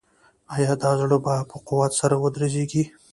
آیا دا زړه به په قوت سره ودرزیږي؟